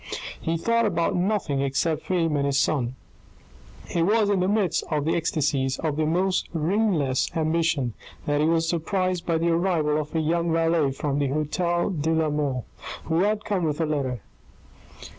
He thought about nothing except fame and his son. It was in the midst of the ecstasies of the most reinless ambition that he was surprised by the arrival of a young valet from the hotel de la Mole, who had come with a letter.